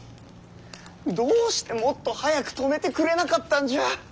どうしてもっと早く止めてくれなかったんじゃ。